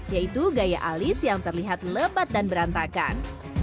yaitu gaya alis yang terlihat lebat dan berantakan